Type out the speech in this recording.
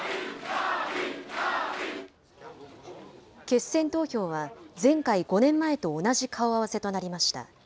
決選投票は、前回・５年前と同じ顔合わせとなりました。